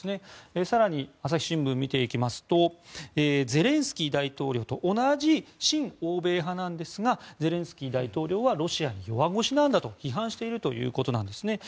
更に朝日新聞を見ていきますとゼレンスキー大統領と同じ親欧米派なんですがゼレンスキー大統領はロシアに弱腰なんだと批判しているということです。